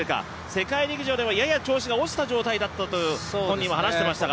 世界陸上ではやや調子が落ちた状態だったと本人は話していましたが。